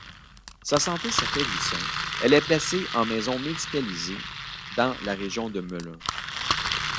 Sa santé s'affaiblissant, elle est placée en maison médicalisée dans la région de Melun.